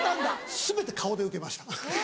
全て顔で受けました。